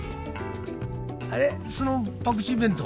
あれっそのパクチー弁当